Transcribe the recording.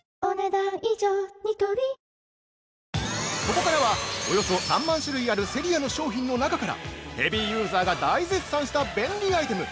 ◆ここからはおよそ３万種類あるセリアの商品の中からヘビーユーザーが大絶賛した便利アイテム